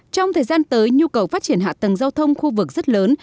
trong thời gian tới nhu cầu phát triển hạ tầng giao thông khu vực rất lớn